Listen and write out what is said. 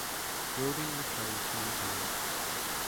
Brodie returned to New Zealand.